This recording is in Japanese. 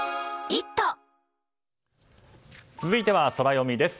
続いては、ソラよみです。